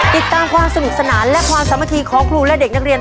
ติดตามความสนุกสนานและความสามัคคีของครูและเด็กนักเรียน